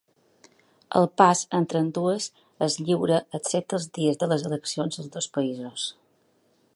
El pas entre ambdues és lliure excepte els dies de les eleccions als dos països.